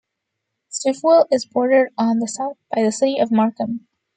Stouffville is bordered on the south by the city of Markham.